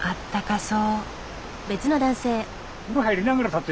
そう。